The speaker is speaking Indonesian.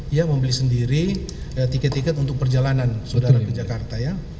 ia membeli sendiri tiket tiket untuk perjalanan saudara ke jakarta ya